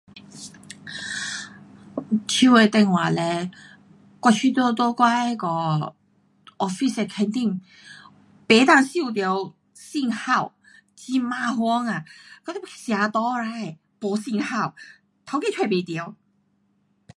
um 手的电话嘞我觉得在我的那个 office 的 canteen 不能收到信号，很麻烦啊，我要去喝茶 right 没信号，taukei 找不到。